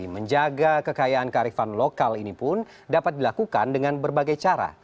menjaga kekayaan kearifan lokal ini pun dapat dilakukan dengan berbagai cara